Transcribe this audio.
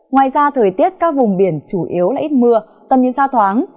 ngoài ra thời tiết các vùng biển chủ yếu là ít mưa tầm nhìn xa thoáng